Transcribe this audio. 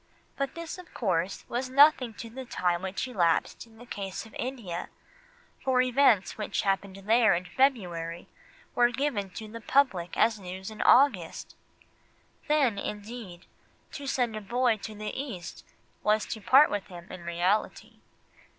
But this, of course, was nothing to the time which elapsed in the case of India, for events which had happened there in February were given to the public as news in August! Then, indeed, to send a boy to the East was to part with him in reality.